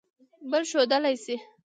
بل ښودلئ شی